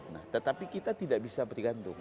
nah tetapi kita tidak bisa bergantung